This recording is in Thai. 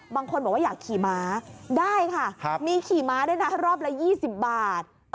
บางคนบอกว่าอยากขี่ม้าได้ค่ะมีขี่ม้าด้วยนะรอบละ๒๐บาท